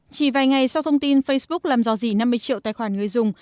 chỉ vài ngày sau thông tin facebook làm dò dỉ năm mươi triệu tài khoản người dùng